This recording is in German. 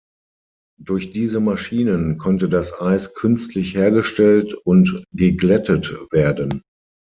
Durch diese Maschinen konnte das Eis künstlich hergestellt und geglättet werden.